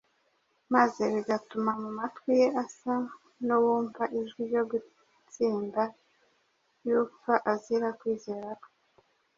maze bigatuma mu matwi ye asa n’uwumva ijwi ryo gutsinda ry’upfa azira kwizera kwe.